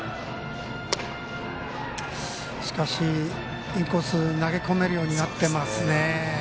しかし、インコース投げ込めるようになってますね。